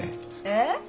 えっ？